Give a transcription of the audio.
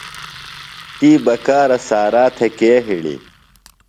تی بکارہ سارا تھےۡ کے ہِڑی؟